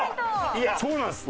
いやそうなんです。